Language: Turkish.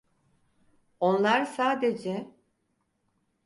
Onlar sadece…